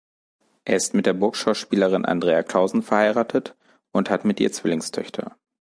Er ist mit der Burgschauspielerin Andrea Clausen verheiratet und hat mit ihr Zwillingstöchter.